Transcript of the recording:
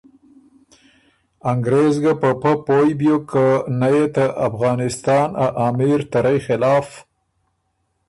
انګرېز ګه په پۀ پویٛ بیوک که نۀ يې ته افغانِستان ا امیر ته رئ خلاف